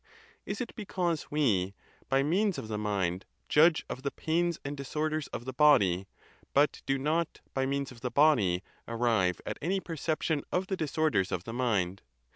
Is it because we, by means of the mind, judge of the pains and disorders of the body, but do not, by means of the body, arrive at any perception of the disorders of the mind?